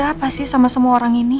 ada apa sih sama semua orang ini